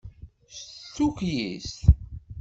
D tukyist.